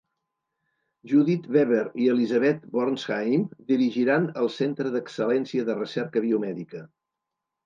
Judith Weber i Elisabet Borsheim dirigiran el Centre d'Excel·lència de Recerca Biomèdica.